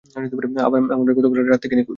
আমার মেয়ে গতকাল রাত থেকে নিখোঁজ।